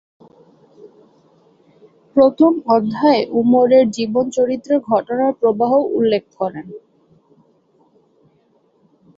প্রথম অধ্যায়ে উমরের জীবন চরিত্র ঘটনা প্রবাহ উল্লেখ করেন।